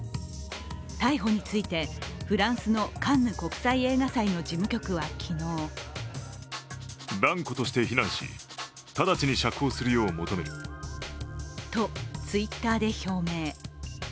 逮捕についてフランスのカンヌ国際映画祭の事務局は昨日と、Ｔｗｉｔｔｅｒで表明。